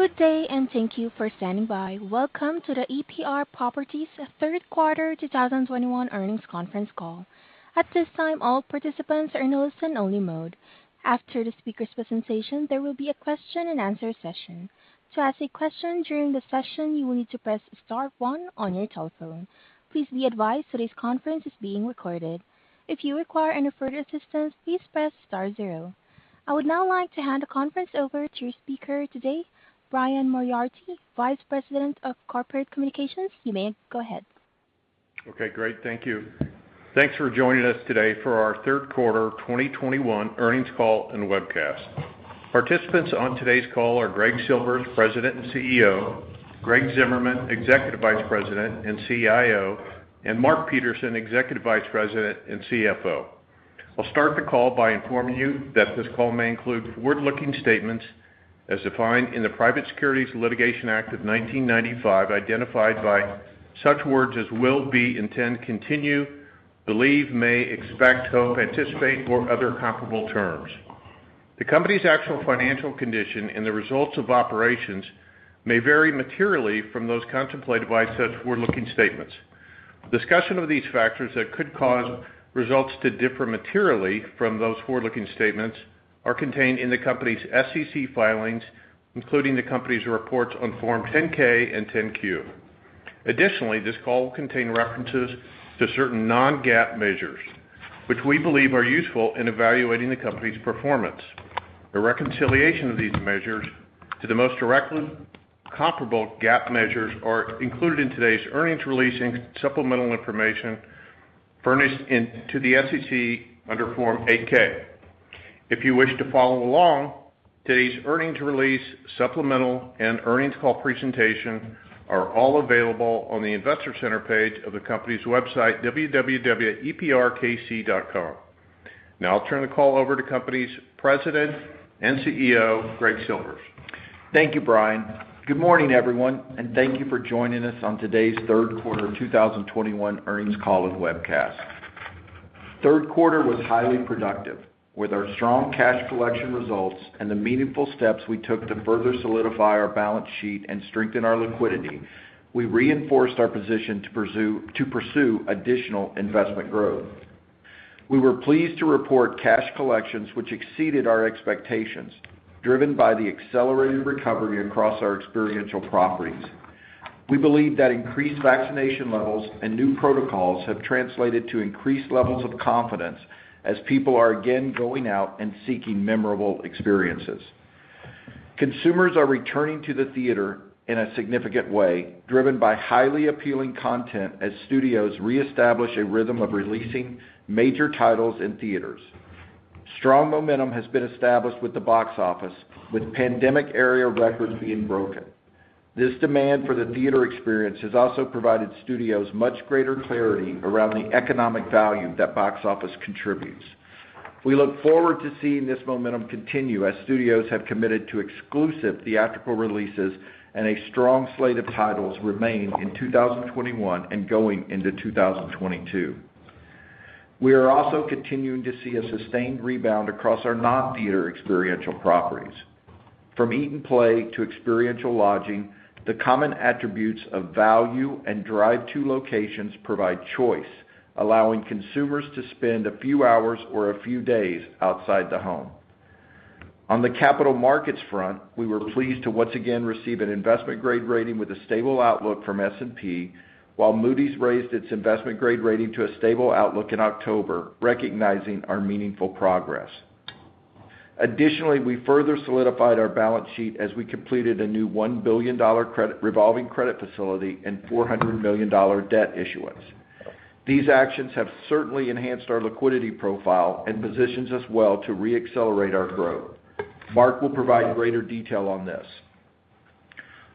Good day, and thank you for standing by. Welcome to the EPR Properties Q3 2021 Earnings Conference Call. At this time, all participants are in listen-only mode. After the speaker's presentation, there will be a Q&A session. To ask a question during the session, you will need to press star one on your telephone. Please be advised today's conference is being recorded. If you require any further assistance, please press star zero. I would now like to hand the conference over to your speaker today, Brian Moriarty, Vice President of Corporate Communications. You may go ahead. Okay, great. Thank you. Thanks for joining us today for our Q3 2021 Earnings Call and Webcast. Participants on today's call are Greg Silvers, President and CEO, Greg Zimmerman, Executive Vice President and CIO, and Mark Peterson, Executive Vice President and CFO. I'll start the call by informing you that this call may include forward-looking statements as defined in the Private Securities Litigation Reform Act of 1995, identified by such words as will, be, intend, continue, believe, may, expect, hope, anticipate, or other comparable terms. The company's actual financial condition and the results of operations may vary materially from those contemplated by such forward-looking statements. Discussion of these factors that could cause results to differ materially from those forward-looking statements are contained in the company's SEC filings, including the company's reports on Form 10-K and 10-Q. Additionally, this call will contain references to certain non-GAAP measures, which we believe are useful in evaluating the company's performance. A reconciliation of these measures to the most directly comparable GAAP measures are included in today's earnings release and supplemental information furnished to the SEC under Form 8-K. If you wish to follow along, today's earnings release, supplemental, and earnings call presentation are all available on the investor center page of the company's website, www.eprkc.com. Now I'll turn the call over to the company's President and CEO, Greg Silvers. Thank you, Brian. Good morning, everyone, and thank you for joining us on today's Q3 2021 Earnings Call and Webcast. Q3 was highly productive. With our strong cash collection results and the meaningful steps we took to further solidify our balance sheet and strengthen our liquidity, we reinforced our position to pursue additional investment growth. We were pleased to report cash collections which exceeded our expectations, driven by the accelerated recovery across our experiential properties. We believe that increased vaccination levels and new protocols have translated to increased levels of confidence as people are again going out and seeking memorable experiences. Consumers are returning to the theater in a significant way, driven by highly appealing content as studios reestablish a rhythm of releasing major titles in theaters. Strong momentum has been established with the Box Office, with pandemic-era records being broken. This demand for the theater experience has also provided studios much greater clarity around the economic value that Box Office contributes. We look forward to seeing this momentum continue as studios have committed to exclusive theatrical releases and a strong slate of titles remain in 2021 and going into 2022. We are also continuing to see a sustained rebound across our non-theater experiential properties. From eat and play to experiential lodging, the common attributes of value and drive-to locations provide choice, allowing consumers to spend a few hours or a few days outside the home. On the capital markets front, we were pleased to once again receive an investment-grade rating with a stable outlook from S&P, while Moody's raised its investment-grade rating to a stable outlook in October, recognizing our meaningful progress. Additionally, we further solidified our balance sheet as we completed a new $1 billion credit revolving credit facility and $400 million debt issuance. These actions have certainly enhanced our liquidity profile and positions us well to re-accelerate our growth. Mark will provide greater detail on this.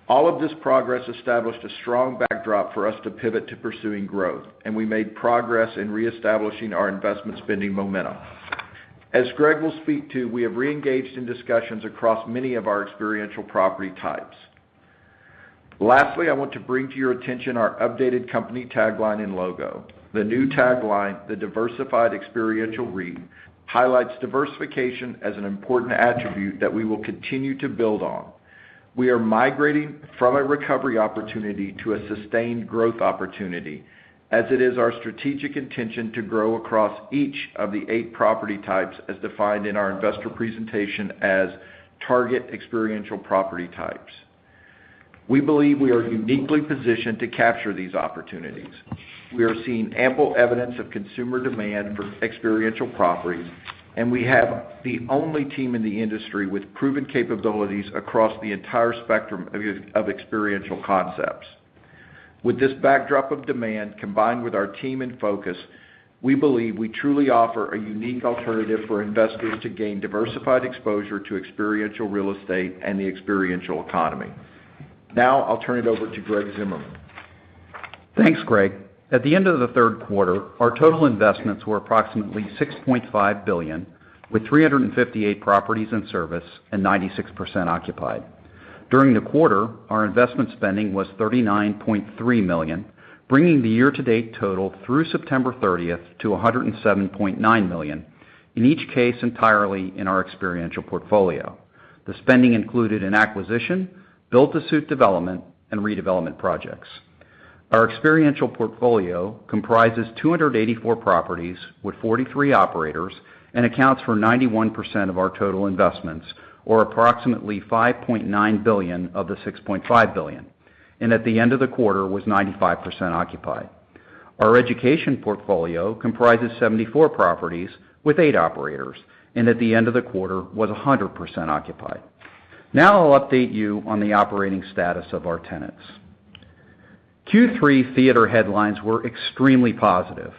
All of this progress established a strong backdrop for us to pivot to pursuing growth, and we made progress in reestablishing our investment spending momentum. As Greg will speak to, we have re-engaged in discussions across many of our experiential property types. Lastly, I want to bring to your attention our updated company tagline and logo. The new tagline, "The diversified experiential REIT," highlights diversification as an important attribute that we will continue to build on. We are migrating from a recovery opportunity to a sustained growth opportunity, as it is our strategic intention to grow across each of the eight property types as defined in our investor presentation as target experiential property types. We believe we are uniquely positioned to capture these opportunities. We are seeing ample evidence of consumer demand for experiential properties, and we have the only team in the industry with proven capabilities across the entire spectrum of experiential concepts. With this backdrop of demand, combined with our team and focus, we believe we truly offer a unique alternative for investors to gain diversified exposure to experiential real estate and the experiential economy. Now I'll turn it over to Greg Zimmerman. Thanks, Greg. At the end of the Q3, our total investments were approximately $6.5 billion, with 358 properties in service and 96% occupied. During the quarter, our investment spending was $39.3 million, bringing the year-to-date total through September 30th to $107.9 million, in each case entirely in our experiential portfolio. The spending included an acquisition, build-to-suit development, and redevelopment projects. Our experiential portfolio comprises 284 properties with 43 operators and accounts for 91% of our total investments or approximately $5.9 billion of the $6.5 billion, and at the end of the quarter was 95% occupied. Our education portfolio comprises 74 properties with eight operators, and at the end of the quarter was 100% occupied. Now I'll update you on the operating status of our tenants. Q3 theater headlines were extremely positive.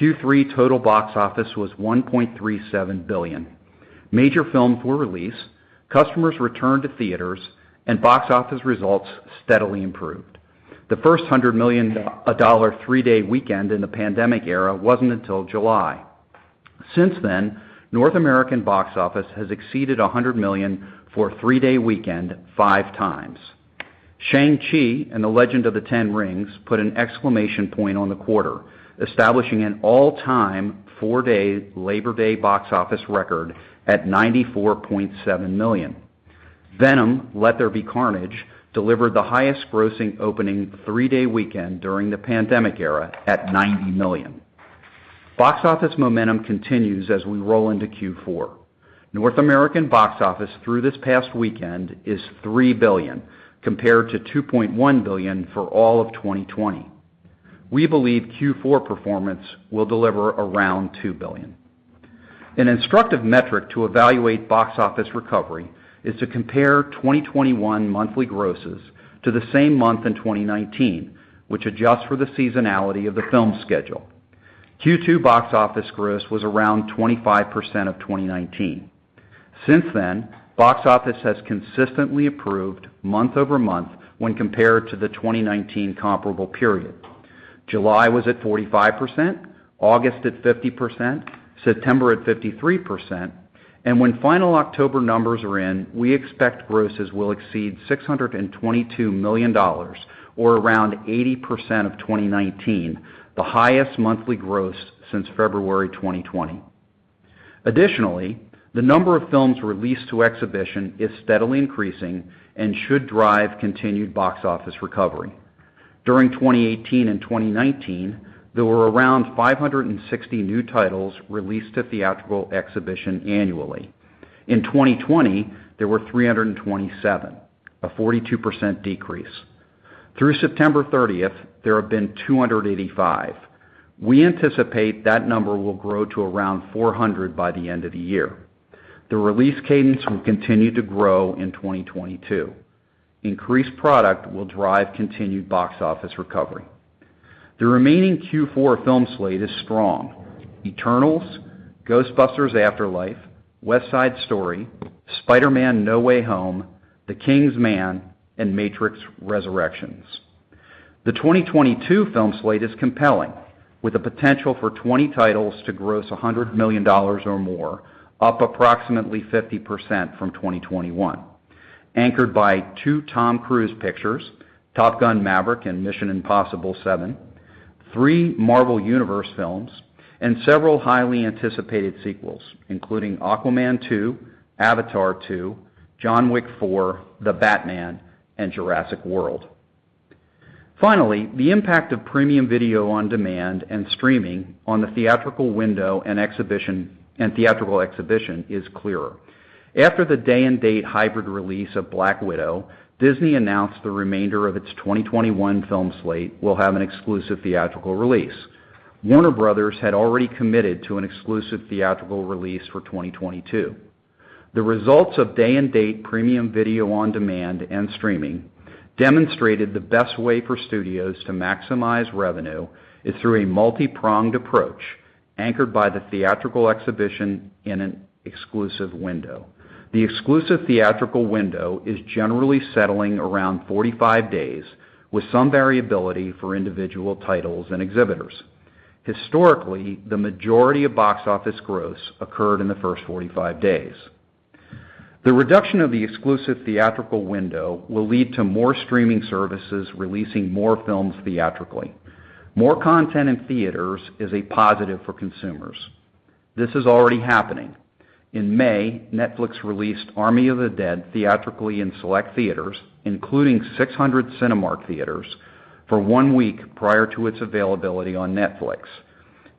Q3 total Box Office was $1.37 billion. Major film for release, customers returned to theaters and Box Office results steadily improved. The first $100 million three-day weekend in the pandemic era wasn't until July. Since then, North American Box Office has exceeded $100 million for a three-day weekend 5 times. Shang-Chi and the Legend of the Ten Rings put an exclamation point on the quarter, establishing an all-time four-day Labor Day Box Office record at $94.7 million. Venom: Let There Be Carnage delivered the highest grossing opening three-day weekend during the pandemic era at $90 million. Box Office momentum continues as we roll into Q4. North American Box Office through this past weekend is $3 billion, compared to $2.1 billion for all of 2020. We believe Q4 performance will deliver around $2 billion. An instructive metric to evaluate Box Office recovery is to compare 2021 monthly grosses to the same month in 2019, which adjusts for the seasonality of the film schedule. Q2 Box Office gross was around 25% of 2019. Since then, Box Office has consistently improved month-over-month when compared to the 2019 comparable period. July was at 45%, August at 50%, September at 53%. When final October numbers are in, we expect grosses will exceed $622 million or around 80% of 2019, the highest monthly gross since February 2020. Additionally, the number of films released to exhibition is steadily increasing and should drive continued Box Office recovery. During 2018 and 2019, there were around 560 new titles released to theatrical exhibition annually. In 2020, there were 327, a 42% decrease. Through September 30th, there have been 285. We anticipate that number will grow to around 400 by the end of the year. The release cadence will continue to grow in 2022. Increased product will drive continued Box Office recovery. The remaining Q4 film slate is strong. Eternals, Ghostbusters: Afterlife, West Side Story, Spider-Man: No Way Home, The King's Man, and The Matrix Resurrections. The 2022 film slate is compelling, with the potential for 20 titles to gross $100 million or more, up approximately 50% from 2021, anchored by two Tom Cruise pictures, Top Gun: Maverick and Mission: Impossible 7, three Marvel Universe films, and several highly anticipated sequels, including Aquaman 2, Avatar 2, John Wick: Chapter 4, The Batman, and Jurassic World Dominion. Finally, the impact of premium video on demand and streaming on the theatrical window and theatrical exhibition is clearer. After the day-and-date hybrid release of Black Widow, Disney announced the remainder of its 2021 film slate will have an exclusive theatrical release. Warner Bros. had already committed to an exclusive theatrical release for 2022. The results of day-and-date premium video on demand and streaming demonstrated the best way for studios to maximize revenue is through a multipronged approach anchored by the theatrical exhibition in an exclusive window. The exclusive theatrical window is generally settling around 45 days, with some variability for individual titles and exhibitors. Historically, the majority of Box Office gross occurred in the first 45 days. The reduction of the exclusive theatrical window will lead to more streaming services releasing more films theatrically. More content in theaters is a positive for consumers. This is already happening. In May, Netflix released Army of the Dead theatrically in select theaters, including 600 Cinemark theaters, for one week prior to its availability on Netflix.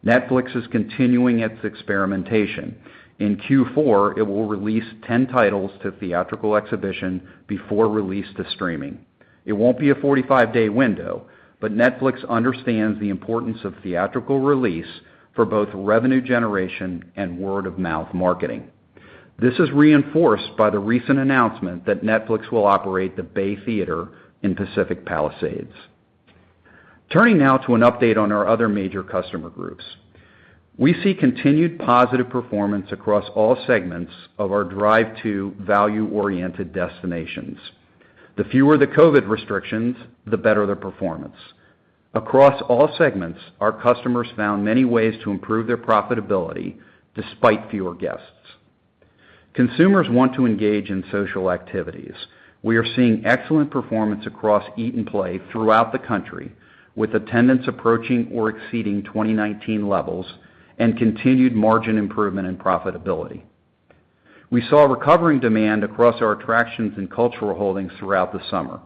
Netflix is continuing its experimentation. In Q4, it will release 10 titles to theatrical exhibition before release to streaming. It won't be a 45-day window, but Netflix understands the importance of theatrical release for both revenue generation and word-of-mouth marketing. This is reinforced by the recent announcement that Netflix will operate the Bay Theater in Pacific Palisades. Turning now to an update on our other major customer groups. We see continued positive performance across all segments of our drive to value-oriented destinations. The fewer the COVID restrictions, the better the performance. Across all segments, our customers found many ways to improve their profitability despite fewer guests. Consumers want to engage in social activities. We are seeing excellent performance across Eat and Play throughout the country, with attendance approaching or exceeding 2019 levels and continued margin improvement and profitability. We saw recovering demand across our attractions and cultural holdings throughout the summer.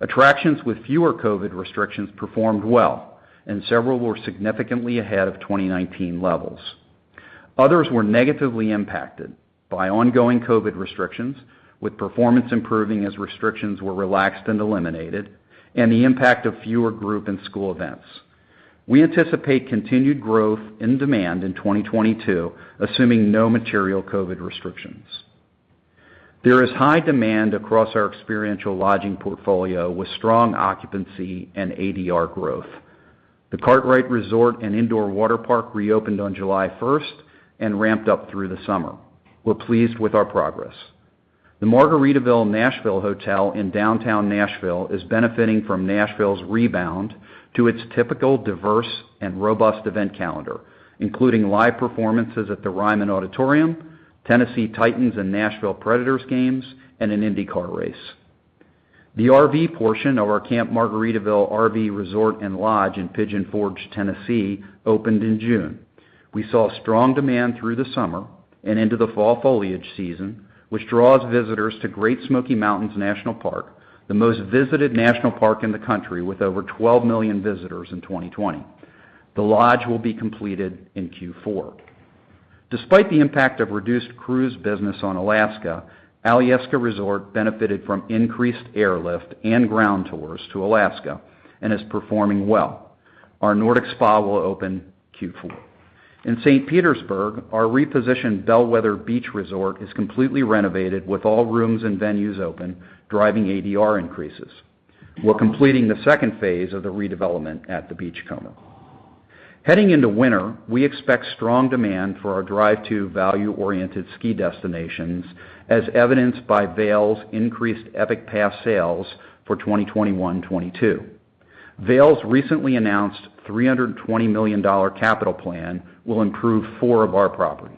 Attractions with fewer COVID restrictions performed well, and several were significantly ahead of 2019 levels. Others were negatively impacted by ongoing COVID restrictions, with performance improving as restrictions were relaxed and eliminated, and the impact of fewer group and school events. We anticipate continued growth in demand in 2022, assuming no material COVID restrictions. There is high demand across our experiential lodging portfolio with strong occupancy and ADR growth. The Kartrite Resort and Indoor Waterpark reopened on July first and ramped up through the summer. We're pleased with our progress. The Margaritaville Nashville Hotel in downtown Nashville is benefiting from Nashville's rebound to its typical diverse and robust event calendar, including live performances at the Ryman Auditorium, Tennessee Titans and Nashville Predators games, and an IndyCar race. The RV portion of our Camp Margaritaville RV Resort and Lodge in Pigeon Forge, Tennessee, opened in June. We saw strong demand through the summer and into the fall foliage season, which draws visitors to Great Smoky Mountains National Park, the most visited national park in the country with over 12 million visitors in 2020. The lodge will be completed in Q4. Despite the impact of reduced cruise business on Alaska, Alyeska Resort benefited from increased airlift and ground tours to Alaska and is performing well. Our Nordic Spa will open Q4. In St. Petersburg, our repositioned Bellwether Beach Resort is completely renovated with all rooms and venues open, driving ADR increases. We're completing the second phase of the redevelopment at the Beachcomber. Heading into winter, we expect strong demand for our drive to value-oriented ski destinations, as evidenced by Vail's increased Epic Pass sales for 2021, 2022. Vail's recently announced $320 million capital plan will improve four of our properties.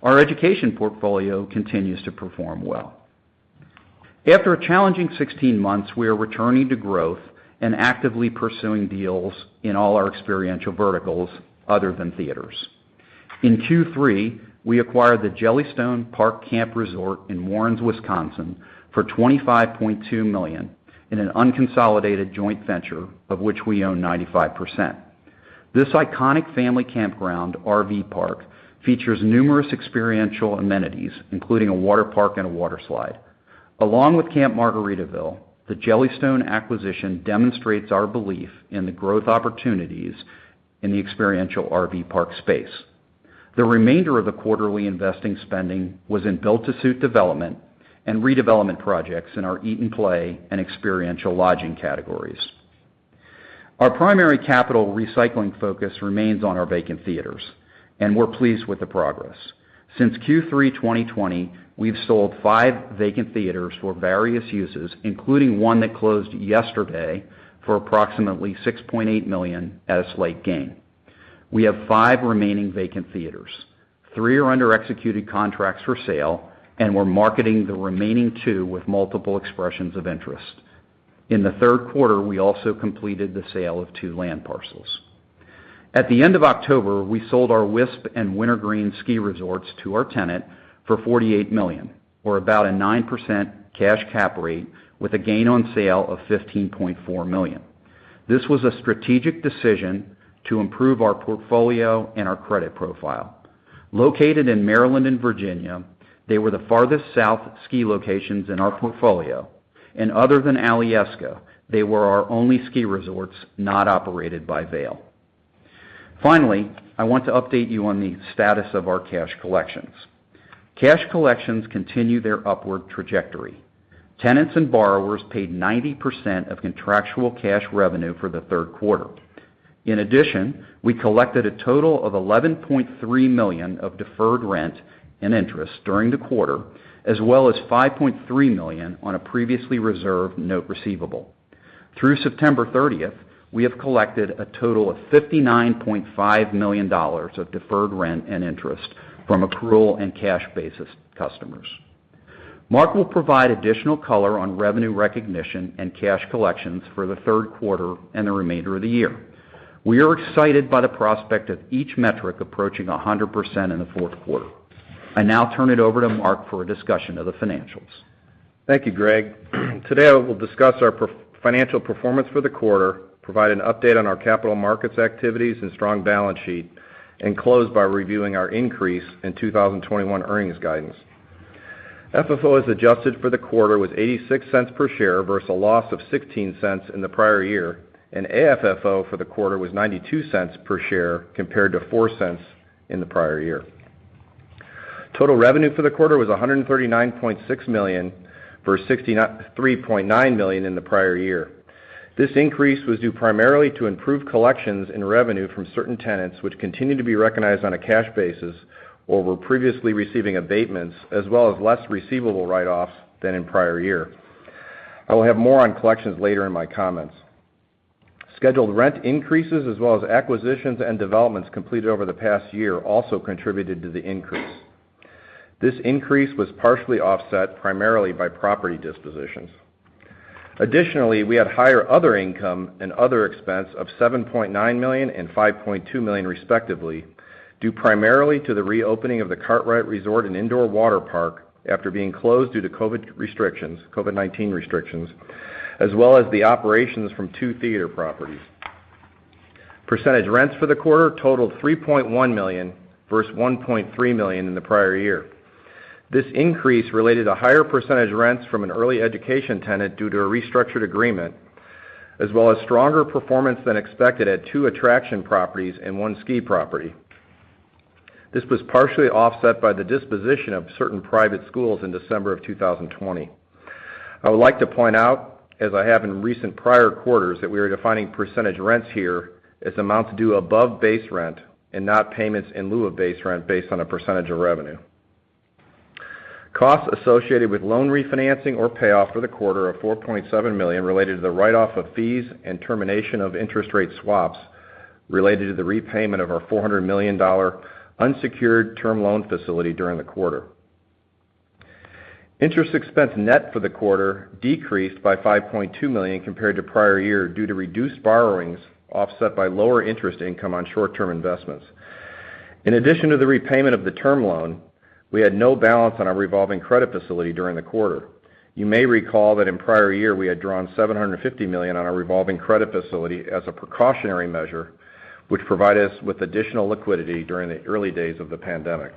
Our education portfolio continues to perform well. After a challenging 16 months, we are returning to growth and actively pursuing deals in all our experiential verticals other than theaters. In Q3, we acquired the Jellystone Park Camp Resort in Warrens, Wisconsin, for $25.2 million in an unconsolidated joint venture of which we own 95%. This iconic family campground RV park features numerous experiential amenities, including a waterpark and a waterslide. Along with Camp Margaritaville, the Jellystone acquisition demonstrates our belief in the growth opportunities in the experiential RV park space. The remainder of the quarterly investing spending was in built-to-suit development and redevelopment projects in our eat and play and experiential lodging categories. Our primary capital recycling focus remains on our vacant theaters, and we're pleased with the progress. Since Q3 2020, we've sold five vacant theaters for various uses, including one that closed yesterday for approximately $6.8 million at a slight gain. We have five remaining vacant theaters. three are under executed contracts for sale, and we're marketing the remaining two with multiple expressions of interest. In the Q3, we also completed the sale of two land parcels. At the end of October, we sold our Wisp and Wintergreen ski resorts to our tenant for $48 million, or about a 9% cash cap rate with a gain on sale of $15.4 million. This was a strategic decision to improve our portfolio and our credit profile. Located in Maryland and Virginia, they were the farthest south ski locations in our portfolio. Other than Alyeska, they were our only ski resorts not operated by Vail. Finally, I want to update you on the status of our cash collections. Cash collections continue their upward trajectory. Tenants and borrowers paid 90% of contractual cash revenue for the Q3. In addition, we collected a total of $11.3 million of deferred rent and interest during the quarter, as well as $5.3 million on a previously reserved note receivable. Through September 30, we have collected a total of $59.5 million of deferred rent and interest from accrual and cash basis customers. Mark will provide additional color on revenue recognition and cash collections for the Q3 and the remainder of the year. We are excited by the prospect of each metric approaching 100% in the Q4. I now turn it over to Mark for a discussion of the financials. Thank you, Greg. Today, I will discuss our financial performance for the quarter, provide an update on our capital markets activities and strong balance sheet, and close by reviewing our increase in 2021 earnings guidance. FFO as adjusted for the quarter was $0.86 per share versus a loss of $0.16 in the prior year, and AFFO for the quarter was $0.92 per share compared to $0.04 in the prior year. Total revenue for the quarter was $139.6 million versus $63.9 million in the prior year. This increase was due primarily to improved collections in revenue from certain tenants which continued to be recognized on a cash basis over previously receiving abatements as well as less receivable write-offs than in prior year. I will have more on collections later in my comments. Scheduled rent increases as well as acquisitions and developments completed over the past year also contributed to the increase. This increase was partially offset primarily by property dispositions. Additionally, we had higher other income and other expense of $7.9 million and $5.2 million respectively, due primarily to the reopening of the Kartrite Resort and Indoor Waterpark after being closed due to COVID-19 restrictions, as well as the operations from two theater properties. Percentage rents for the quarter totaled $3.1 million versus $1.3 million in the prior year. This increase related to higher percentage rents from an early education tenant due to a restructured agreement, as well as stronger performance than expected at two attraction properties and one ski property. This was partially offset by the disposition of certain private schools in December 2020. I would like to point out, as I have in recent prior quarters, that we are defining percentage rents here as amounts due above base rent and not payments in lieu of base rent based on a percentage of revenue. Costs associated with loan refinancing or payoff for the quarter are $4.7 million related to the write-off of fees and termination of interest rate swaps related to the repayment of our $400 million unsecured term loan facility during the quarter. Interest expense, net for the quarter decreased by $5.2 million compared to prior year due to reduced borrowings offset by lower interest income on short-term investments. In addition to the repayment of the term loan, we had no balance on our revolving credit facility during the quarter. You may recall that in prior year, we had drawn $750 million on our revolving credit facility as a precautionary measure, which provided us with additional liquidity during the early days of the pandemic.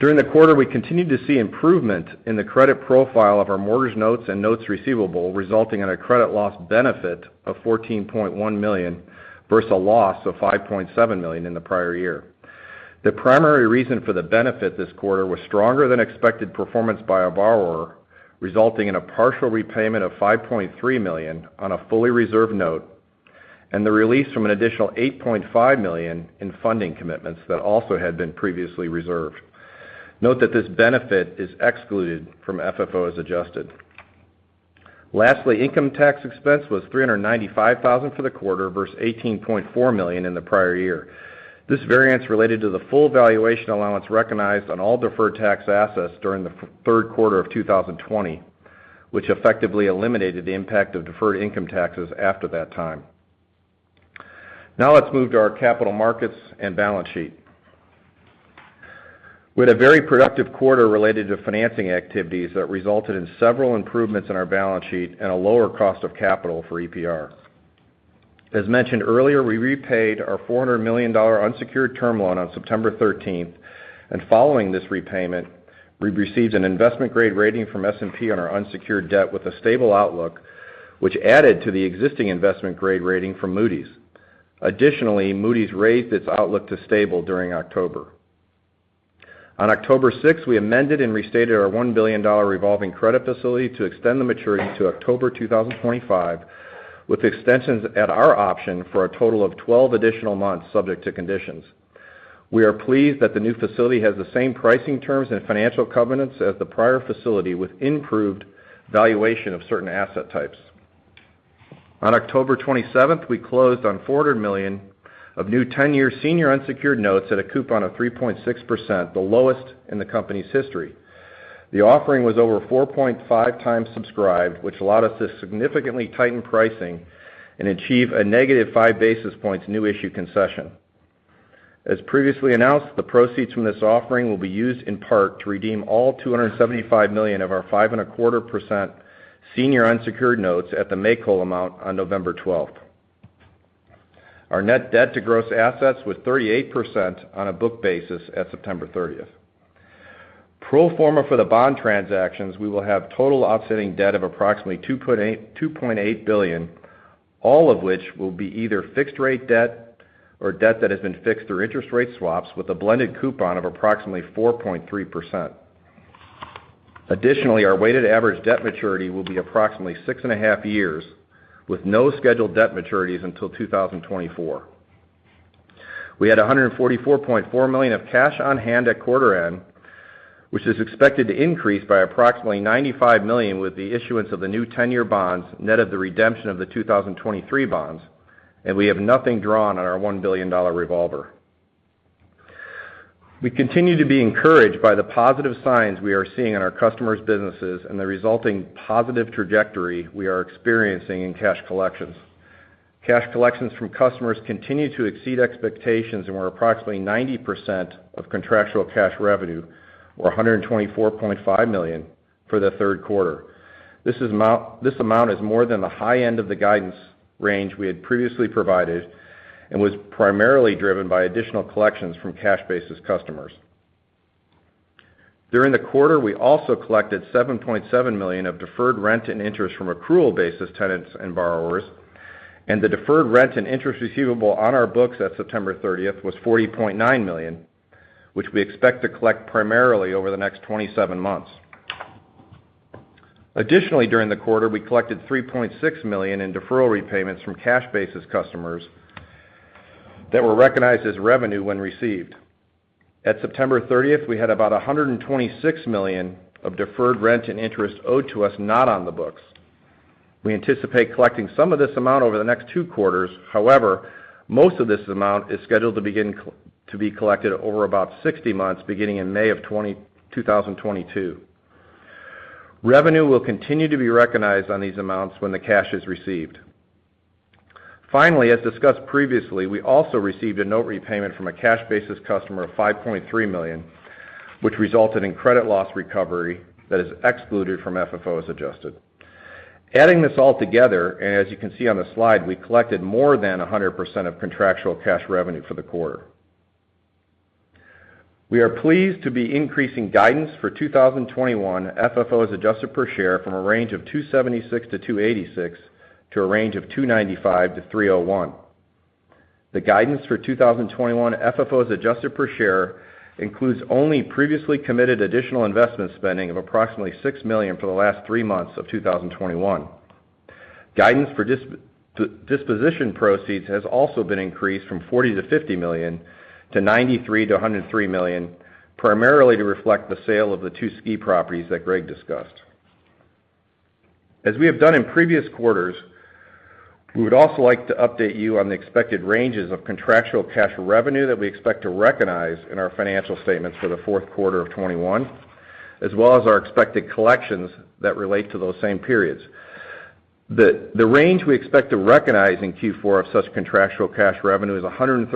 During the quarter, we continued to see improvement in the credit profile of our mortgage notes and notes receivable, resulting in a credit loss benefit of $14.1 million versus a loss of $5.7 million in the prior year. The primary reason for the benefit this quarter was stronger than expected performance by a borrower, resulting in a partial repayment of $5.3 million on a fully reserved note, and the release from an additional $8.5 million in funding commitments that also had been previously reserved. Note that this benefit is excluded from FFO as adjusted. Lastly, income tax expense was $395,000 for the quarter versus $18.4 million in the prior year. This variance related to the full valuation allowance recognized on all deferred tax assets during the Q3 of 2020, which effectively eliminated the impact of deferred income taxes after that time. Now let's move to our capital markets and balance sheet. We had a very productive quarter related to financing activities that resulted in several improvements in our balance sheet and a lower cost of capital for EPR. As mentioned earlier, we repaid our $400 million unsecured term loan on September 13th, and following this repayment, we received an investment-grade rating from S&P on our unsecured debt with a stable outlook, which added to the existing investment-grade rating from Moody's. Additionally, Moody's raised its outlook to stable during October. On October 6th, we amended and restated our $1 billion revolving credit facility to extend the maturity to October 2025, with extensions at our option for a total of 12 additional months subject to conditions. We are pleased that the new facility has the same pricing terms and financial covenants as the prior facility with improved valuation of certain asset types. On October 27th, we closed on $400 million of new 10-year senior unsecured notes at a coupon of 3.6%, the lowest in the company's history. The offering was over 4.5x subscribed, which allowed us to significantly tighten pricing and achieve a negative 5 basis points new issue concession. As previously announced, the proceeds from this offering will be used in part to redeem all $275 million of our 5.25% senior unsecured notes at the make-whole amount on November 12th. Our net debt to gross assets was 38% on a book basis at September 30th. Pro forma for the bond transactions, we will have total outstanding debt of approximately $2.8 billion, all of which will be either fixed rate debt or debt that has been fixed through interest rate swaps with a blended coupon of approximately 4.3%. Additionally, our weighted average debt maturity will be approximately 6.5 years, with no scheduled debt maturities until 2024. We had $144.4 million of cash on hand at quarter end, which is expected to increase by approximately $95 million with the issuance of the new ten-year bonds net of the redemption of the 2023 bonds, and we have nothing drawn on our $1 billion revolver. We continue to be encouraged by the positive signs we are seeing in our customers' businesses and the resulting positive trajectory we are experiencing in cash collections. Cash collections from customers continue to exceed expectations and were approximately 90% of contractual cash revenue, or $124.5 million for the Q3. This amount is more than the high end of the guidance range we had previously provided and was primarily driven by additional collections from cash-basis customers. During the quarter, we also collected $7.7 million of deferred rent and interest from accrual-basis tenants and borrowers, and the deferred rent and interest receivable on our books at September 30th was $40.9 million, which we expect to collect primarily over the next 27 months. Additionally, during the quarter, we collected $3.6 million in deferral repayments from cash-basis customers that were recognized as revenue when received. At September 30th, we had about $126 million of deferred rent and interest owed to us not on the books. We anticipate collecting some of this amount over the next two quarters. However, most of this amount is scheduled to begin to be collected over about 60 months, beginning in May of 2022. Revenue will continue to be recognized on these amounts when the cash is received. Finally, as discussed previously, we also received a note repayment from a cash basis customer of $5.3 million, which resulted in credit loss recovery that is excluded from FFO as adjusted. Adding this all together, and as you can see on the slide, we collected more than 100% of contractual cash revenue for the quarter. We are pleased to be increasing guidance for 2021 FFO as adjusted per share from a range of $2.76 to $2.86, to a range of $2.95 to $3.01. The guidance for 2021 FFO as adjusted per share includes only previously committed additional investment spending of approximately $6 million for the last three months of 2021. Guidance for disposition proceeds has also been increased from $40 million to $50 million to $93 million to $103 million, primarily to reflect the sale of the two ski properties that Greg discussed. As we have done in previous quarters, we would also like to update you on the expected ranges of contractual cash revenue that we expect to recognize in our financial statements for the Q4 of 2021, as well as our expected collections that relate to those same periods. The range we expect to recognize in Q4 of such contractual cash revenue is $133 million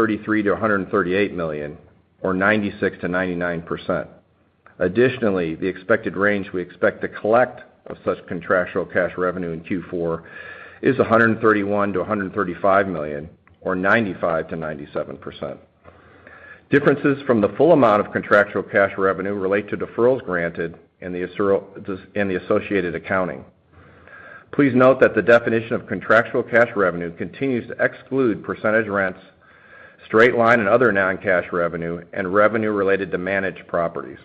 to $138 million, or 96% to 99%. Additionally, the expected range we expect to collect of such contractual cash revenue in Q4 is $131 million to $135 million, or 95% to 97%. Differences from the full amount of contractual cash revenue relate to deferrals granted and abatements and the associated accounting. Please note that the definition of contractual cash revenue continues to exclude percentage rents, straight-line and other non-cash revenue, and revenue related to managed properties.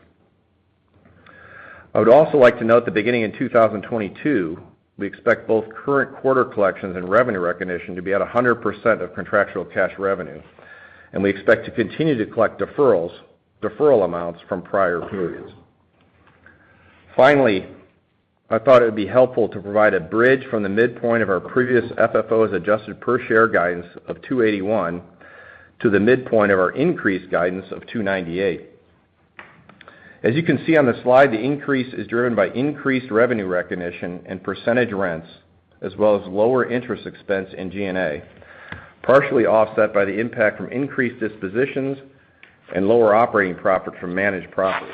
I would also like to note that beginning in 2022, we expect both current quarter collections and revenue recognition to be at 100% of contractual cash revenue, and we expect to continue to collect deferral amounts from prior periods. Finally, I thought it would be helpful to provide a bridge from the midpoint of our previous FFO as adjusted per share guidance of $2.81 to the midpoint of our increased guidance of $2.98. As you can see on the slide, the increase is driven by increased revenue recognition and percentage rents, as well as lower interest expense in G&A, partially offset by the impact from increased dispositions and lower operating profit from managed properties.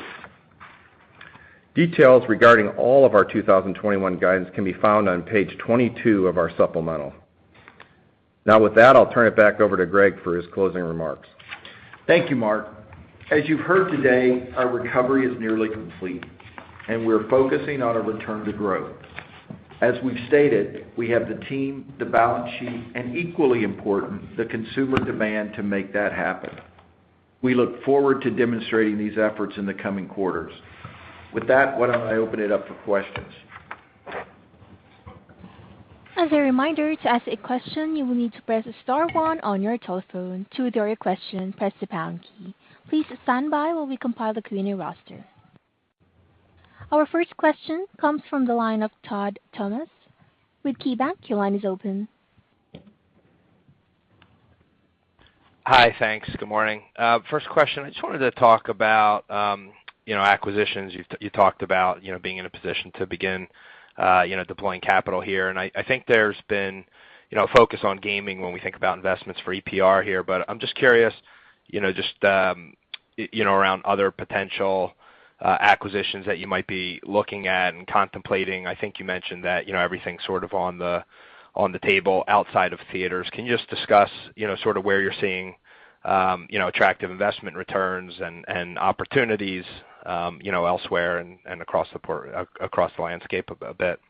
Details regarding all of our 2021 guidance can be found on page 22 of our supplemental. Now, with that, I'll turn it back over to Greg for his closing remarks. Thank you, Mark. As you've heard today, our recovery is nearly complete, and we're focusing on a return to growth. As we've stated, we have the team, the balance sheet, and equally important, the consumer demand to make that happen. We look forward to demonstrating these efforts in the coming quarters. With that, why don't I open it up for questions? As a reminder, to ask a question, you will need to press star one on your telephone. To withdraw your question, press the pound key. Please stand by while we compile the queue roster. Our first question comes from the line of Todd Thomas with KeyBanc Capital Markets. Your line is open. Hi. Thanks. Good morning. First question, I just wanted to talk about, you know, acquisitions. You talked about, you know, being in a position to begin, you know, deploying capital here. I think there's been, you know, a focus on gaming when we think about investments for EPR here. I'm just curious, you know, just, you know, around other potential acquisitions that you might be looking at and contemplating. I think you mentioned that, you know, everything's sort of on the table outside of theaters. Can you just discuss, you know, sort of where you're seeing, you know, attractive investment returns and opportunities, you know, elsewhere and across the landscape a bit?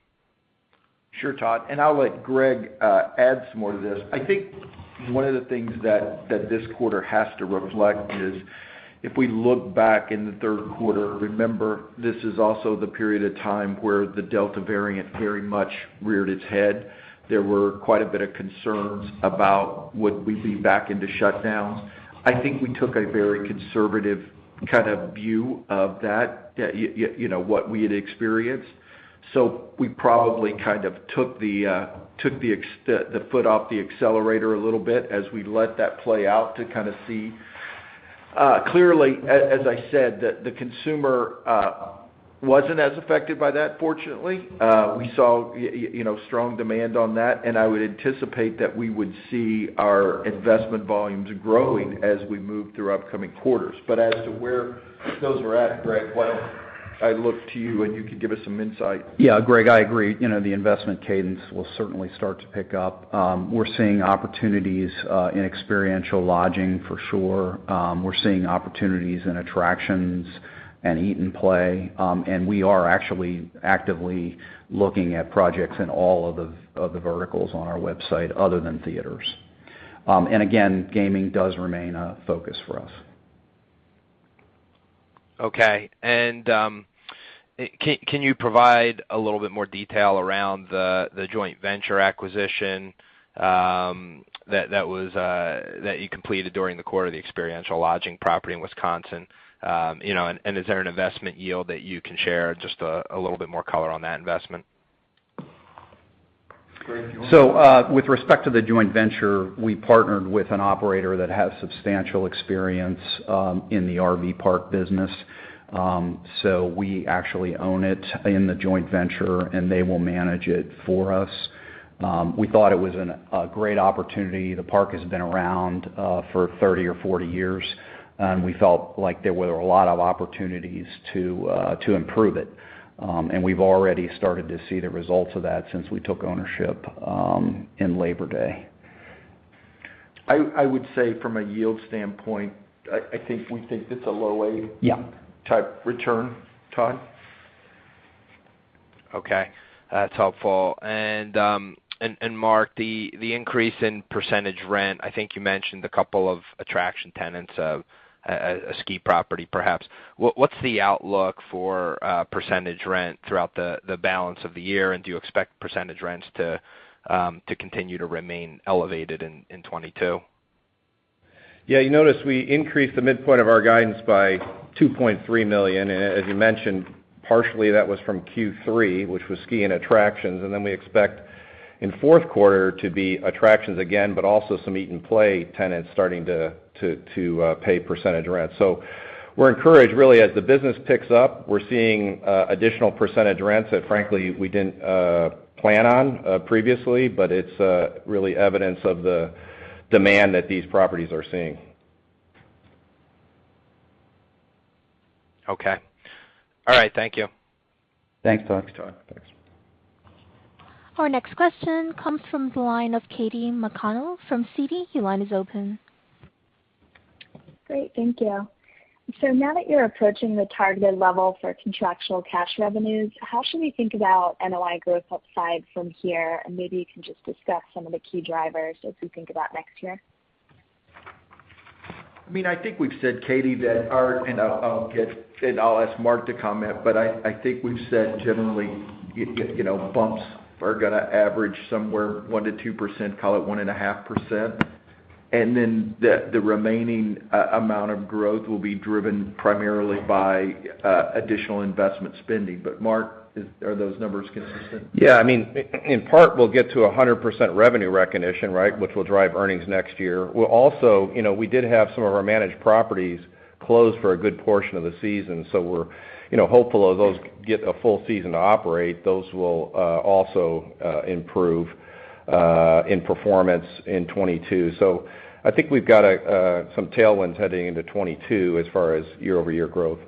Sure, Todd, I'll let Greg add some more to this. I think one of the things that this quarter has to reflect is, if we look back in the Q3, remember, this is also the period of time where the Delta variant very much reared its head. There were quite a bit of concerns about would we be back into shutdowns. I think we took a very conservative kind of view of that, you know, what we had experienced. We probably kind of took the foot off the accelerator a little bit as we let that play out to kind of see. Clearly, as I said, the consumer wasn't as affected by that, fortunately. We saw, you know, strong demand on that, and I would anticipate that we would see our investment volumes growing as we move through upcoming quarters. As to where those are at, Greg, why don't I look to you, and you can give us some insight. Yeah. Greg, I agree. You know, the investment cadence will certainly start to pick up. We're seeing opportunities in experiential lodging for sure. We're seeing opportunities in attractions and eat and play. We are actually actively looking at projects in all of the verticals on our website other than theaters. Again, gaming does remain a focus for us. Okay. Can you provide a little bit more detail around the joint venture acquisition that you completed during the quarter, the experiential lodging property in Wisconsin? You know, is there an investment yield that you can share, just a little bit more color on that investment? With respect to the joint venture, we partnered with an operator that has substantial experience in the RV park business. We actually own it in the joint venture, and they will manage it for us. We thought it was a great opportunity. The park has been around for 30 or 40 years, and we felt like there were a lot of opportunities to improve it. We've already started to see the results of that since we took ownership in Labor Day. I would say from a yield standpoint, I think we think it's a low A. Yeah type return, Todd. Okay. That's helpful. Mark, the increase in percentage rent, I think you mentioned a couple of attraction tenants of a ski property, perhaps. What's the outlook for percentage rent throughout the balance of the year, and do you expect percentage rents to continue to remain elevated in 2022? Yeah. You notice we increased the midpoint of our guidance by $2.3 million. As you mentioned, partially that was from Q3, which was ski and attractions. We expect in Q4 to be attractions again, but also some eat and play tenants starting to pay percentage rent. We're encouraged really. As the business picks up, we're seeing additional percentage rents that frankly we didn't plan on previously, but it's really evidence of the demand that these properties are seeing. Okay. All right. Thank you. Thanks, Todd. Thanks, Todd. Thanks. Our next question comes from the line of Katy McConnell from Citigroup Global Markets. Your line is open. Great. Thank you. Now that you're approaching the targeted level for contractual cash revenues, how should we think about NOI growth upside from here? Maybe you can just discuss some of the key drivers as we think about next year. I mean, I think we've said, Katy, that our and I'll ask Mark to comment, but I think we've said generally, you know, bumps are gonna average somewhere 1% to 2%, call it 1.5%. Then the remaining amount of growth will be driven primarily by additional investment spending. Mark, are those numbers consistent? Yeah. I mean, in part, we'll get to 100% revenue recognition, right? Which will drive earnings next year. We'll also, you know, we did have some of our managed properties closed for a good portion of the season, so we're, you know, hopeful as those get a full season to operate, those will also improve in performance in 2022. I think we've got some tailwinds heading into 2022 as far as year-over-year growth.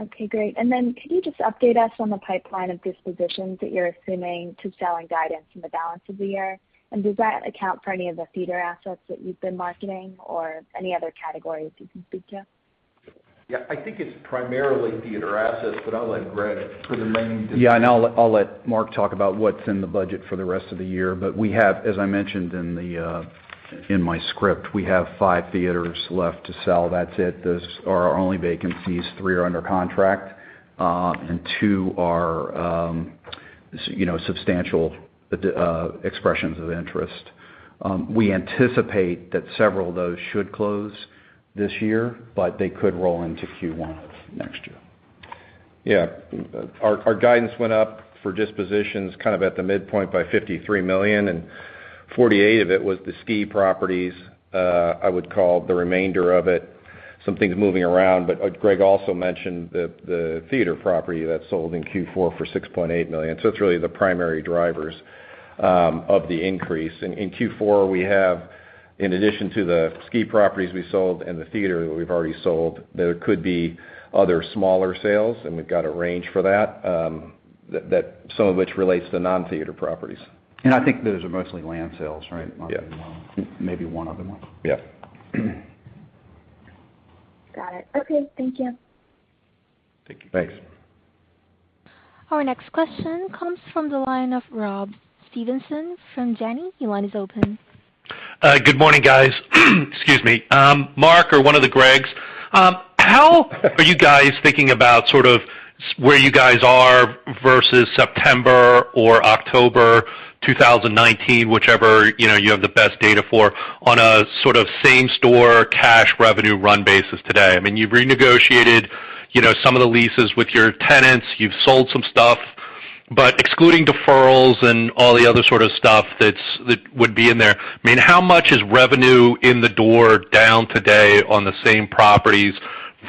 Okay, great. Could you just update us on the pipeline of dispositions that you're assuming in your guidance for the balance of the year? Does that account for any of the theater assets that you've been marketing or any other categories you can speak to? Yeah. I think it's primarily theater assets, but I'll let Greg for the main. I'll let Mark talk about what's in the budget for the rest of the year, but we have, as I mentioned in my script, we have five theaters left to sell. That's it. Those are our only vacancies. Three are under contract, and two are substantial expressions of interest. We anticipate that several of those should close this year, but they could roll into Q1 of next year. Our guidance went up for dispositions kind of at the midpoint by $53 million, and $48 million of it was the ski properties. I would call the remainder of it some things moving around. Greg also mentioned the theater property that sold in Q4 for $6.8 million. It's really the primary drivers of the increase. In Q4, we have, in addition to the ski properties we sold and the theater that we've already sold, there could be other smaller sales, and we've got a range for that, some of which relates to non-theater properties. I think those are mostly land sales, right, Mark? Yeah. Maybe one other one. Yeah. Got it. Okay. Thank you. Thank you. Thanks. Our next question comes from the line of Rob Stevenson from Janney Montgomery Scott LLC. Your line is open. Good morning, guys. Excuse me. Mark or one of the Greg's, how are you guys thinking about sort of where you guys are versus September or October 2019, whichever, you know, you have the best data for on a sort of same store cash revenue run basis today? I mean, you've renegotiated, you know, some of the leases with your tenants. You've sold some stuff, but excluding deferrals and all the other sort of stuff that would be in there, I mean, how much is revenue in the door down today on the same properties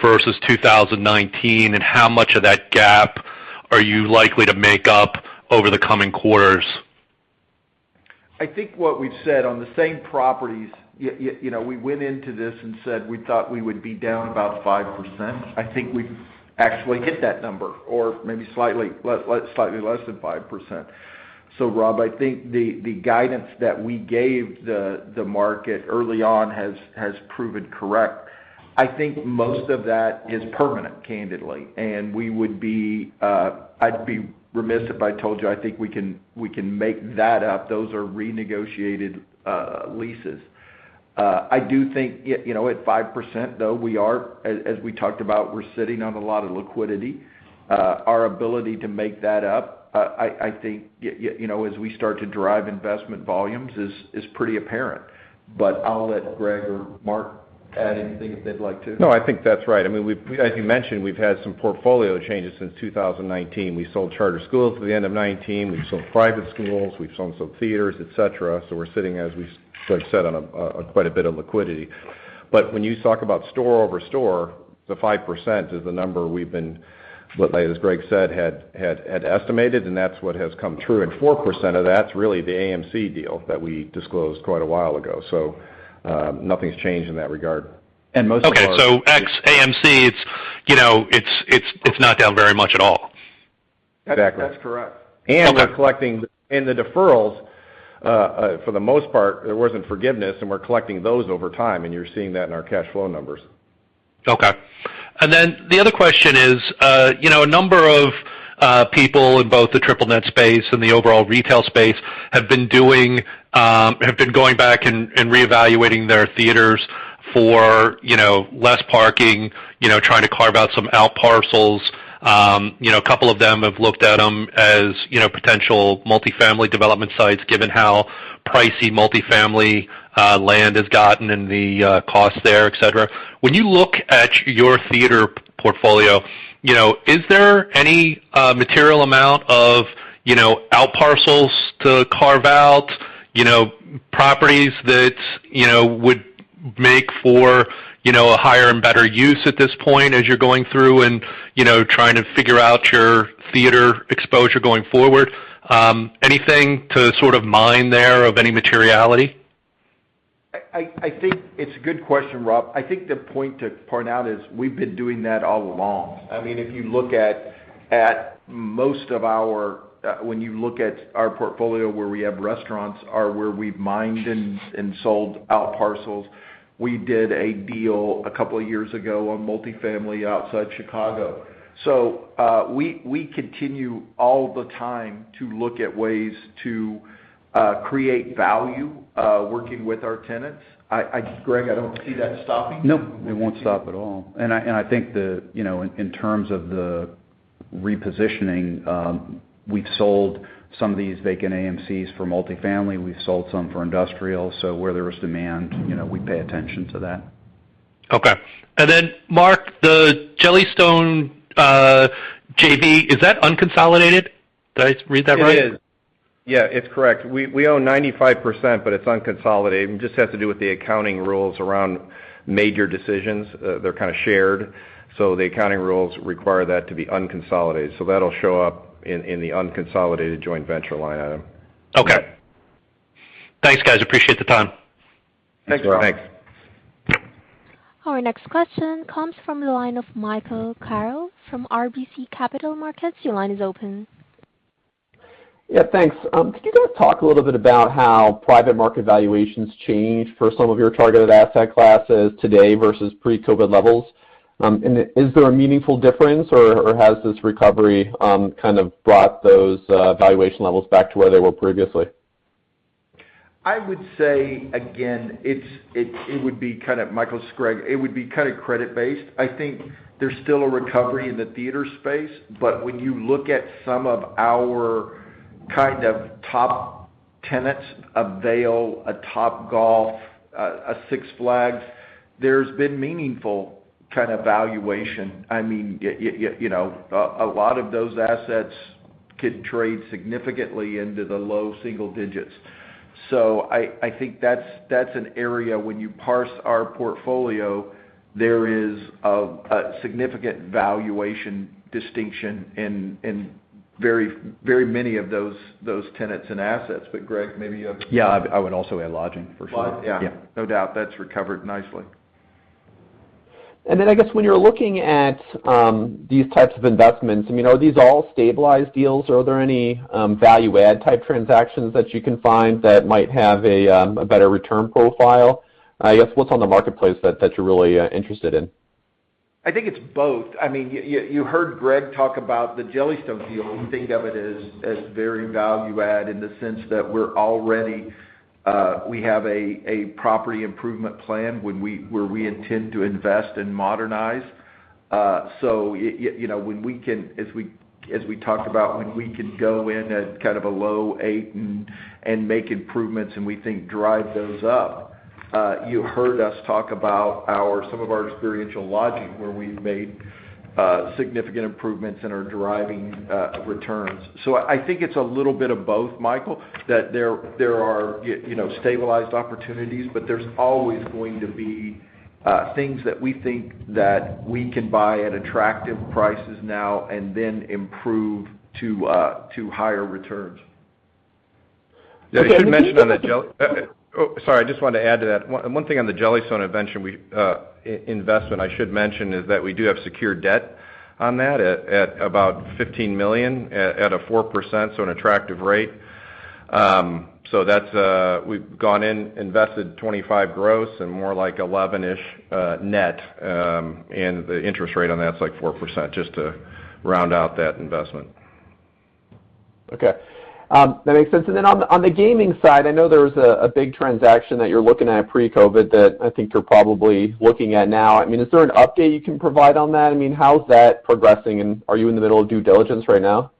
versus 2019, and how much of that gap are you likely to make up over the coming quarters? I think what we've said on the same properties, you know, we went into this and said we thought we would be down about 5%. I think we actually hit that number or maybe slightly less than 5%. Rob, I think the guidance that we gave the market early on has proven correct. I think most of that is permanent, candidly, and we would be, I'd be remiss if I told you I think we can make that up. Those are renegotiated leases. I do think, you know, at 5% though, we are, as we talked about, we're sitting on a lot of liquidity. Our ability to make that up, I think, you know, as we start to drive investment volumes is pretty apparent. I'll let Greg or Mark add anything if they'd like to. No, I think that's right. I mean, as you mentioned, we've had some portfolio changes since 2019. We sold charter schools at the end of 2019, we've sold private schools, we've sold some theaters, et cetera. We're sitting, as we sort of said, on quite a bit of liquidity. When you talk about store over store, the 5% is the number we've been, well, as Greg said, had estimated, and that's what has come true. Four percent of that's really the AMC deal that we disclosed quite a while ago. Nothing's changed in that regard. Most of our. Okay. Ex AMC, it's, you know, it's not down very much at all. Exactly. That's correct. We're collecting In the deferrals, for the most part, there wasn't forgiveness, and we're collecting those over time, and you're seeing that in our cash flow numbers. Okay. The other question is, you know, a number of people in both the triple net space and the overall retail space have been going back and reevaluating their theaters for, you know, less parking, you know, trying to carve out some out parcels. You know, a couple of them have looked at them as, you know, potential multi-family development sites, given how pricey multi-family land has gotten and the cost there, et cetera. When you look at your theater portfolio, you know, is there any material amount of, you know, out parcels to carve out, you know, properties that, you know, would make for, you know, a higher and better use at this point as you're going through and, you know, trying to figure out your theater exposure going forward? Anything to sort of mine there of any materiality? I think it's a good question, Rob. I think the point to point out is we've been doing that all along. I mean, if you look at most of our, when you look at our portfolio where we have restaurants or where we've mined and sold out parcels. We did a deal a couple of years ago on multifamily outside Chicago. We continue all the time to look at ways to create value working with our tenants. Greg, I don't see that stopping. No, it won't stop at all. I think you know, in terms of the repositioning, we've sold some of these vacant AMCs for multifamily, we've sold some for industrial. Where there was demand, you know, we pay attention to that. Okay. Mark, the Jellystone JV, is that unconsolidated? Did I read that right? It is. Yeah, it's correct. We own 95%, but it's unconsolidated. It just has to do with the accounting rules around major decisions. They're kind of shared. So the accounting rules require that to be unconsolidated. So that'll show up in the unconsolidated joint venture line item. Okay. Thanks, guys. Appreciate the time. Thanks, Rob. Thanks. Our next question comes from the line of Michael Carroll from RBC Capital Markets. Your line is open. Yeah, thanks. Could you guys talk a little bit about how private market valuations change for some of your targeted asset classes today versus pre-COVID levels? Is there a meaningful difference or has this recovery kind of brought those valuation levels back to where they were previously? I would say, again, it would be kind of credit based. Michael, it's Greg. It would be kind of credit based. I think there's still a recovery in the theater space, but when you look at some of our kind of top tenants, a Vail, a Topgolf, a Six Flags, there's been meaningful kind of valuation. I mean, you know, a lot of those assets can trade significantly into the low single digits. I think that's an area when you parse our portfolio, there is a significant valuation distinction in very many of those tenants and assets. Greg, maybe you have? Yeah, I would also add lodging for sure. Lodging, yeah. Yeah. No doubt, that's recovered nicely. I guess when you're looking at these types of investments, I mean, are these all stabilized deals, or are there any value add type transactions that you can find that might have a better return profile? I guess what's on the marketplace that you're really interested in? I think it's both. I mean, you heard Greg talk about the Jellystone deal. We think of it as very value add in the sense that we're already, we have a property improvement plan where we intend to invest and modernize. So you know, as we talked about, when we can go in at kind of a low eight and make improvements, and we think drive those up. You heard us talk about some of our experiential lodging, where we've made significant improvements and are driving returns. So I think it's a little bit of both, Michael, that there are you know, stabilized opportunities, but there's always going to be things that we think that we can buy at attractive prices now and then improve to higher returns. Okay. I just wanted to add to that. One thing on the Jellystone venture, our investment, I should mention, is that we do have secured debt on that at about $15 million at a 4%, so an attractive rate. That's, we've gone in, invested $25 million gross and more like $11 million-ish net, and the interest rate on that's like 4% just to round out that investment. Okay. That makes sense. On the gaming side, I know there was a big transaction that you're looking at pre-COVID that I think you're probably looking at now. I mean, is there an update you can provide on that? I mean, how's that progressing, and are you in the middle of due diligence right now?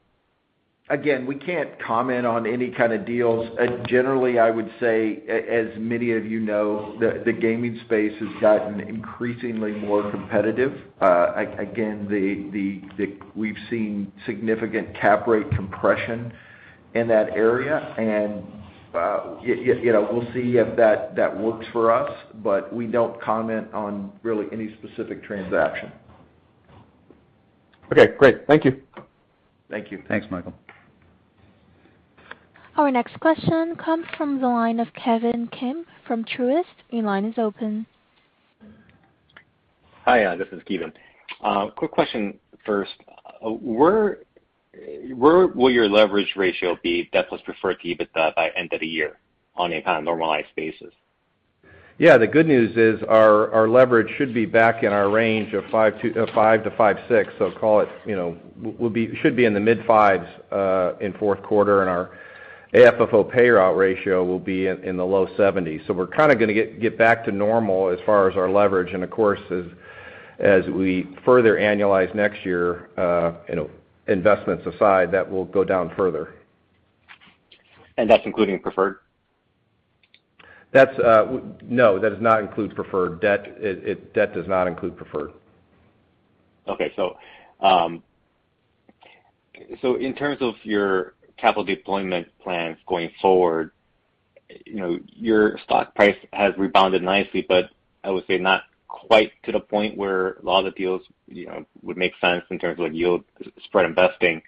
Again, we can't comment on any kind of deals. Generally, I would say as many of you know, the gaming space has gotten increasingly more competitive. Again, we've seen significant cap rate compression in that area, and you know, we'll see if that works for us, but we don't comment on really any specific transaction. Okay, great. Thank you. Thank you. Thanks, Michael. Our next question comes from the line of Ki Bin Kim from Truist. Your line is open. Hi, this is Ki Bin Kim. Quick question first. Where will your leverage ratio be, debt plus preferred to EBITDA, by end of the year on a kind of normalized basis? Yeah. The good news is our leverage should be back in our range of 5 to 5.6. Call it, you know, will be in the mid-5s in Q4, and our AFFO payout ratio will be in the low 70s%. We're kinda gonna get back to normal as far as our leverage. Of course, as we further annualize next year, you know, investments aside, that will go down further. That's including preferred? No, that does not include preferred. Debt does not include preferred. In terms of your capital deployment plans going forward, you know, your stock price has rebounded nicely, but I would say not quite to the point where a lot of the deals, you know, would make sense in terms of like yield spread investing.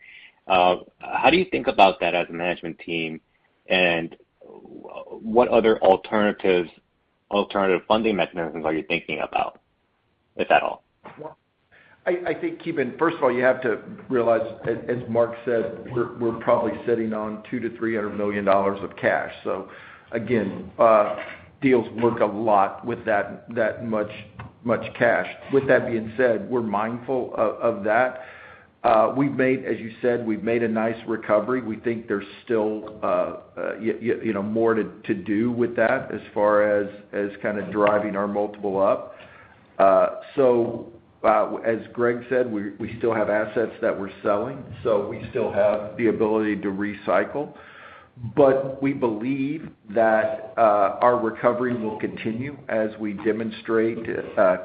How do you think about that as a management team, and what other alternative funding mechanisms are you thinking about, if at all? Well, I think, Ki Bin, first of all, you have to realize, as Mark said, we're probably sitting on $200 million to $300 million of cash. Again, deals work a lot with that much cash. With that being said, we're mindful of that. As you said, we've made a nice recovery. We think there's still you know, more to do with that as far as kinda driving our multiple up. As Greg said, we still have assets that we're selling, so we still have the ability to recycle. But we believe that our recovery will continue as we demonstrate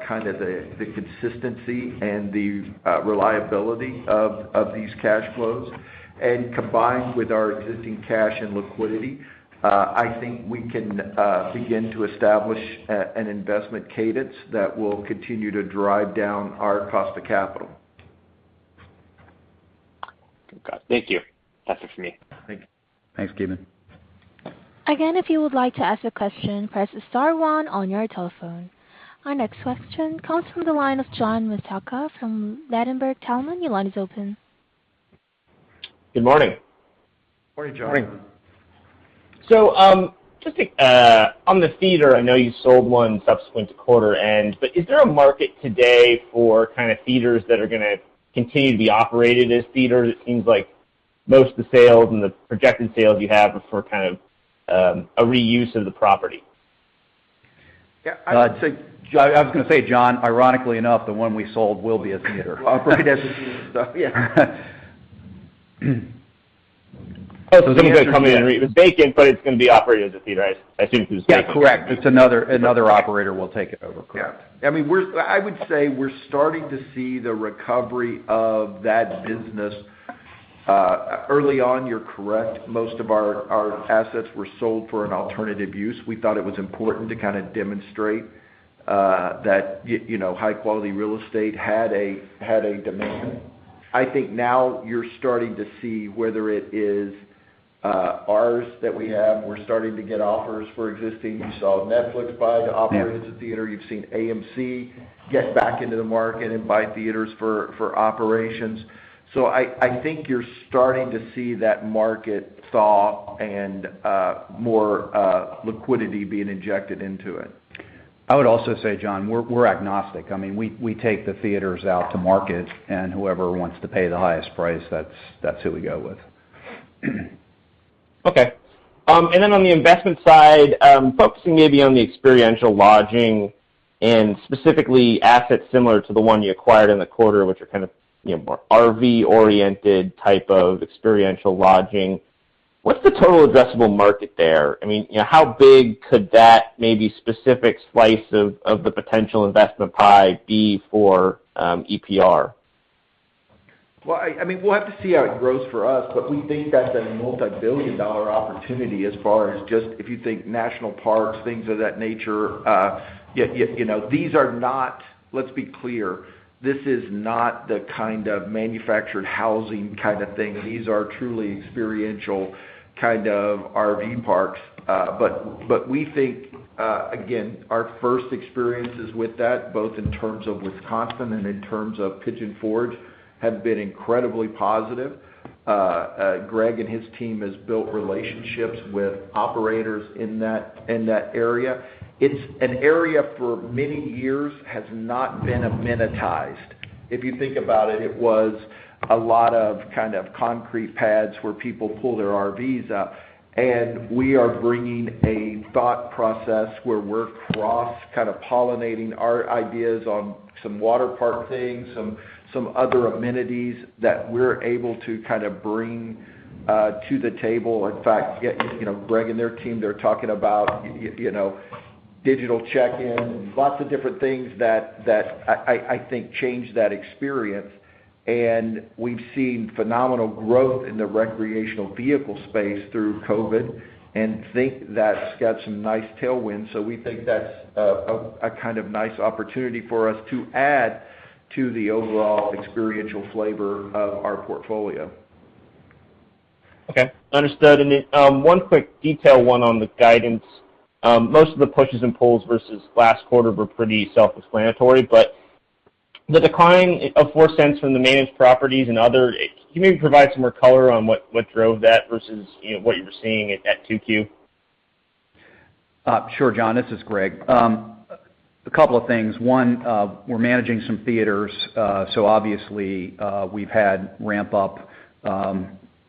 kind of the consistency and the reliability of these cash flows. Combined with our existing cash and liquidity, I think we can begin to establish an investment cadence that will continue to drive down our cost of capital. Okay. Thank you. That's it for me. Thanks. Thanks, Ki Bin. Again, if you would like to ask a question, press star one on your telephone. Our next question comes from the line of John Massocca from Ladenburg Thalmann Asset Management. Your line is open. Good morning. Morning, John. Morning. Just on the theater, I know you sold one subsequent to quarter end, but is there a market today for kinda theaters that are gonna continue to be operated as theaters? It seems like most of the sales and the projected sales you have are for kind of a reuse of the property. Yeah. I'd say. I was gonna say, John, ironically enough, the one we sold will be a theater. Operated as a theater, so yeah. Someone's gonna come in and renovate it, but it's gonna be operated as a theater, I assume is the case. Yeah, correct. It's another operator will take it over, correct. Yeah. I mean, we're starting to see the recovery of that business. Early on, you're correct, most of our assets were sold for an alternative use. We thought it was important to kinda demonstrate that you know, high quality real estate had a demand. I think now you're starting to see whether it is ours that we have, we're starting to get offers for existing. You saw Netflix buy to operate as a theater. You've seen AMC get back into the market and buy theaters for operations. I think you're starting to see that market thaw and more liquidity being injected into it. I would also say, John, we're agnostic. I mean, we take the theaters out to market, and whoever wants to pay the highest price, that's who we go with. Okay. On the investment side, focusing maybe on the experiential lodging and specifically assets similar to the one you acquired in the quarter, which are kind of, you know, more RV-oriented type of experiential lodging, what's the total addressable market there? I mean, you know, how big could that maybe specific slice of the potential investment pie be for EPR? I mean, we'll have to see how it grows for us, but we think that's a multibillion-dollar opportunity as far as just if you think national parks, things of that nature. You know, these are not. Let's be clear. This is not the kind of manufactured housing kind of thing. These are truly experiential kind of RV parks. But we think, again, our first experiences with that, both in terms of Wisconsin and in terms of Pigeon Forge, have been incredibly positive. Greg and his team has built relationships with operators in that, in that area. It's an area for many years has not been amenitized. If you think about it was a lot of kind of concrete pads where people pull their RVs up, and we are bringing a thought process where we're cross kind of pollinating our ideas on some water park things, some other amenities that we're able to kind of bring to the table. In fact, you know, Greg and their team, they're talking about you know, digital check-in, lots of different things that I think change that experience. We've seen phenomenal growth in the recreational vehicle space through COVID and think that's got some nice tailwinds. We think that's a kind of nice opportunity for us to add to the overall experiential flavor of our portfolio. Okay, understood. One quick detail, one on the guidance. Most of the pushes and pulls versus last quarter were pretty self-explanatory, but the decline of $0.04 from the managed properties and other. Can you provide some more color on what drove that versus what you were seeing at Q2? Sure, John. This is Greg. A couple of things. One, we're managing some theaters, so obviously, we've had ramp up,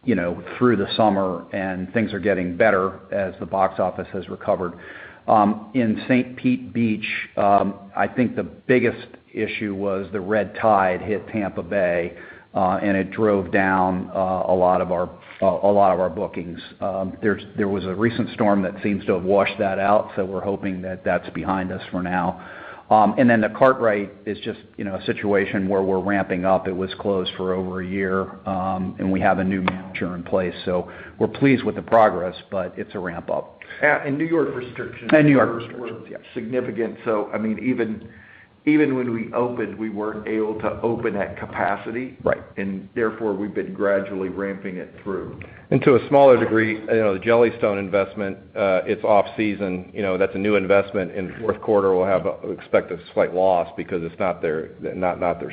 you know, through the summer, and things are getting better as the Box Office has recovered. In St. Pete Beach, I think the biggest issue was the red tide hit Tampa Bay, and it drove down a lot of our bookings. There was a recent storm that seems to have washed that out, so we're hoping that that's behind us for now. The Kartrite is just, you know, a situation where we're ramping up. It was closed for over a year, and we have a new manager in place. We're pleased with the progress, but it's a ramp-up. New York restrictions. New York restrictions, yeah. Were significant. I mean, even when we opened, we weren't able to open at capacity. Right. Therefore, we've been gradually ramping it through. To a smaller degree, you know, the Jellystone investment, it's off-season, you know. That's a new investment in the Q4. We'll expect a slight loss because it's not their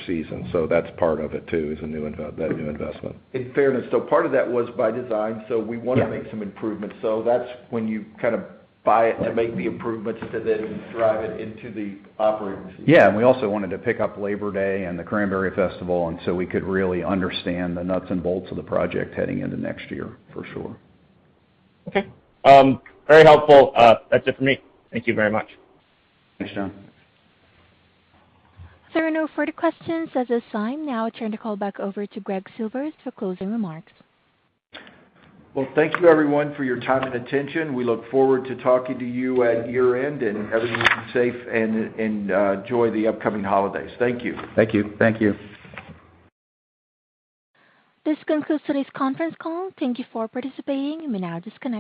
season. That's part of it too, that new investment. In fairness, part of that was by design, so we Yeah. wanted to make some improvements. That's when you kind of buy it to make the improvements to then drive it into the operating season. Yeah. We also wanted to pick up Labor Day and the Cranberry Festival, and so we could really understand the nuts and bolts of the project heading into next year for sure. Okay. Very helpful. That's it for me. Thank you very much. Thanks, John. There are no further questions at this time. Now I turn the call back over to Greg Silvers for closing remarks. Well, thank you everyone for your time and attention. We look forward to talking to you at year-end. Everyone be safe and enjoy the upcoming holidays. Thank you. Thank you. Thank you. This concludes today's conference call. Thank you for participating. You may now disconnect.